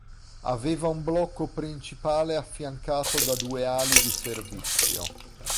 Aveva un blocco principale affiancato da due ali di servizio.